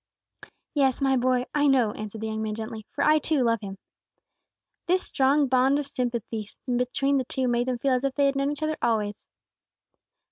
"Yes, my boy, I know!" answered the young man, gently; "for I, too, love Him." This strong bond of sympathy between the two made them feel as if they had known each other always.